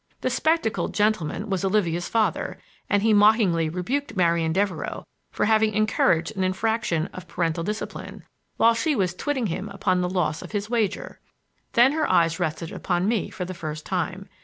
The spectacled gentleman was Olivia's father, and he mockingly rebuked Marian Devereux for having encouraged an infraction of parental discipline, while she was twitting him upon the loss of his wager. Then her eyes rested upon me for the first time.